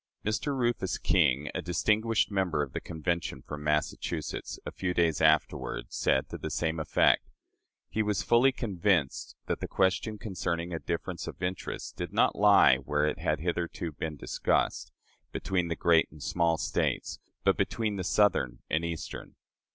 " Mr. Rufus King, a distinguished member of the Convention from Massachusetts, a few days afterward, said, to the same effect: "He was fully convinced that the question concerning a difference of interests did not lie where it had hitherto been discussed, between the great and small States, but between the Southern and Eastern.